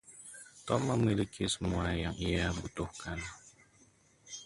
Tom memiliki semua yang ia butuhkan.